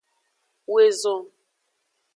Woezon.